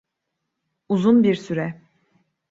Uzun bir süre.